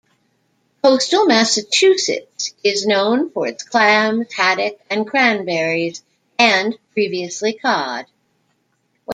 Coastal Massachusetts is known for its clams, haddock, and cranberries, and previously cod.